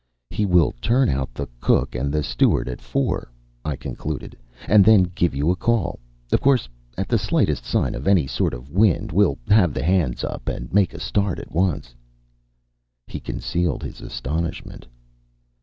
"He will turn out the cook and the steward at four," I concluded, "and then give you a call. Of course at the slightest sign of any sort of wind we'll have the hands up and make a start at once." He concealed his astonishment.